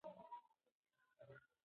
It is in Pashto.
موږ د کلتوري بدلونونو شاهدان یو.